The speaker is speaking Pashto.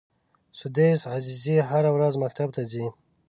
سُدیس عزیزي هره ورځ مکتب ته ځي.